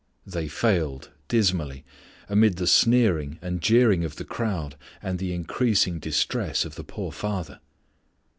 They failed! dismally amid the sneering and jeering of the crowd and the increasing distress of the poor father.